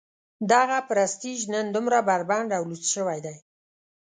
دغه پرستیژ نن دومره بربنډ او لوڅ شوی دی.